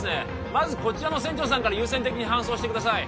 まずこちらの船長さんから優先的に搬送してください